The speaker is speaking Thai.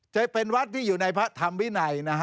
จะเป็นวัฒน์ที่อยู่ในพระธรรมินัยนะครับ